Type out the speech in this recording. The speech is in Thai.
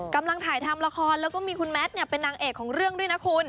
กำลังถ่ายทำละครแล้วก็มีคุณแมทเป็นนางเอกของเรื่องด้วยนะคุณ